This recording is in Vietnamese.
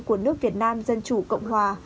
của nước việt nam dân chủ cộng hòa